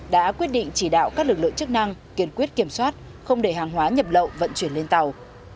đã quyết định chỉ đạo các lực lượng chức năng kiên quyết kiểm soát không để hàng hóa nhập lậu vận chuyển lên tàu